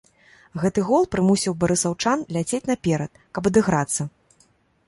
Гэты гол прымусіў барысаўчан ляцець наперад, каб адыграцца.